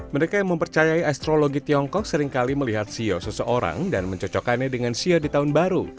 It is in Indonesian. mereka yang mempercayai astrologi tiongkok seringkali melihat sio seseorang dan mencocokkannya dengan sio di tahun baru